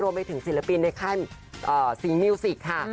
รวมไปถึงศิลปินในค่ายซิงค์มิวสิกค่ะ